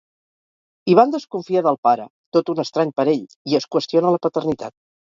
Ivan desconfia del pare, tot un estrany per ell, i es qüestiona la paternitat.